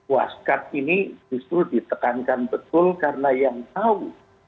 waskat ini justru ditekankan betul karena yang tahu